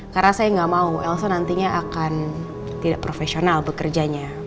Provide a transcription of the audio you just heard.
karena saya gak mau elsa nantinya akan tidak profesional bekerjanya